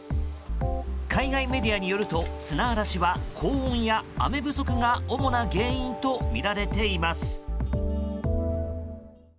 海外メディアによると砂嵐は高温や雨不足が主な原因とみられています。